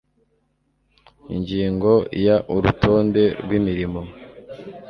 ingingo ya urutonde rw imirimo